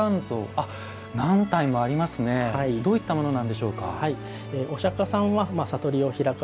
どういったものなんでしょうか。